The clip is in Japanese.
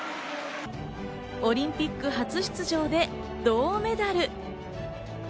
オリンピック初出場で銅メダル。